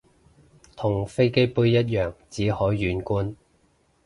同飛機杯一樣只可遠觀